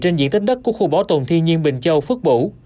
trên diện tích đất của khu bảo tồn thiên nhiên bình châu phước bủ